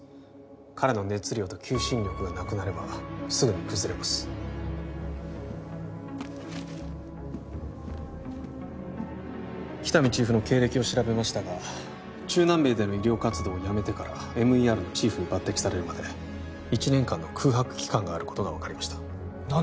彼の熱量と求心力がなくなればすぐに崩れます喜多見チーフの経歴を調べましたが中南米での医療活動をやめてからＭＥＲのチーフに抜擢されるまで１年間の空白期間があることが分かりました何だ？